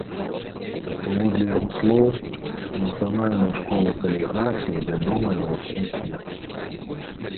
Паводле яго слоў, нацыянальная школа каліграфіі вядомая ва ўсім свеце.